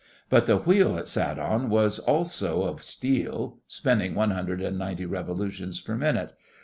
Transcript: But the wheel it sat on was also of steel; spinning one hundred and ninety revolutions per minute.